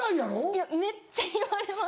いやめっちゃ言われます。